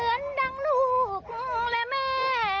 เตี๋ยบเหมือนดังลูกและแม่